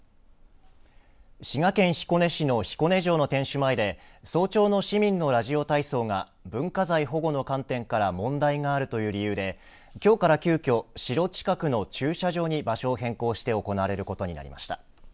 滋賀県彦根市の彦根城の天守前で早朝の市民のラジオ体操が文化財保護の観点から問題があるという理由できょうから、急きょ城近くの駐車場に場所を変更して行われることになりました。